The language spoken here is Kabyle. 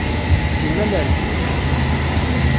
Simmal ar zdat.